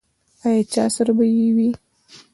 له چا سره به یې وي.